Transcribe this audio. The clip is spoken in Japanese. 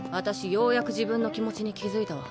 ようやく自分の気持ちに気付いたわ。